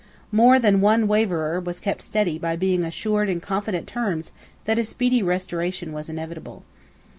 More than one waverer was kept steady by being assured in confident terms that a speedy restoration was inevitable.